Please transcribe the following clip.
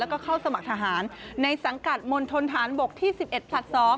แล้วก็เข้าสมัครทหารในสังกัดมณฑนฐานบกที่๑๑ผลัด๒